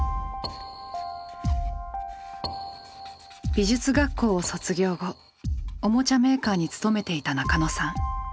美術学校を卒業後おもちゃメーカーに勤めていた中野さん。